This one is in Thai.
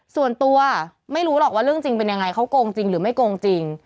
ส่วนตัวไม่รู้หรอกว่าเรื่องจริงเป็นยังไงเขาโกงจริงหรือไม่โกงจริง